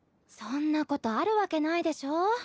そんなことあるわけないでしょ。